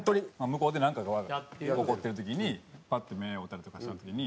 向こうでなんかが起こってる時にパッて目合うたりとかした時に。